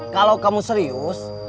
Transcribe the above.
kalau kamu serius